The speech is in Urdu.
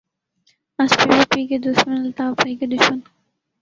آج پی پی پی کے دشمن الطاف بھائی کے دشمن